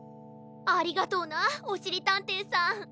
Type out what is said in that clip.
ありがとうなおしりたんていさん。